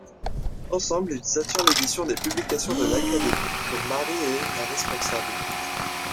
Ensemble, ils assurent l’édition des publications de l’Académie, dont Mary est la responsable.